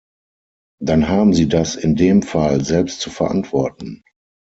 Dann haben Sie das in dem Fall selbst zu verantworten.